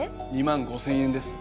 ２万５，０００円です。